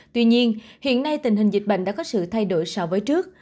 tuy nhiên hiện nay tình hình dịch bệnh đã có sự thay đổi so với trước